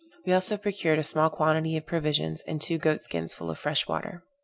We also procured a small quantity of provisions, and two goat skins full of fresh water.